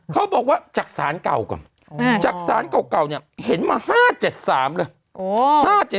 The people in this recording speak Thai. เขาบอกว่าจากศาลเก่าก่อนจากศาลเก่าเนี่ยเห็นมา๕๗๓เลย